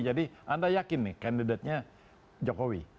jadi anda yakin nih kandidatnya jokowi